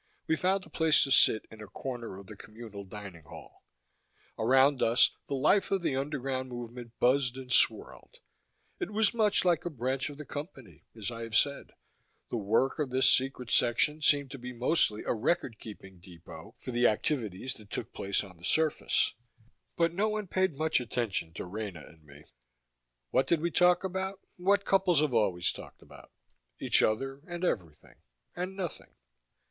We found a place to sit in a corner of the communal dining hall. Around us the life of the underground movement buzzed and swirled. It was much like a branch of the Company, as I have said; the work of this secret section seemed to be mostly a record keeping depot for the activities that took place on the surface. But no one paid much attention to Rena and me. What did we talk about? What couples have always talked about: Each other, and everything, and nothing.